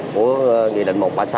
của nghị định một trăm ba mươi sáu